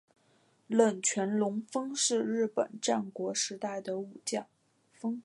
冷泉隆丰是日本战国时代的武将。